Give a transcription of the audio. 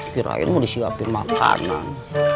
kirain mau disiapin makanan